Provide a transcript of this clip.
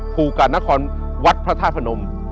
ภูกรณคอนวัดพระทาพนม